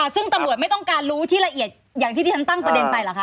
ซึ่งตำรวจไม่ต้องการรู้ที่ละเอียดอย่างที่ที่ฉันตั้งประเด็นไปเหรอคะ